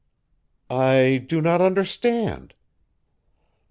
"I do not understand."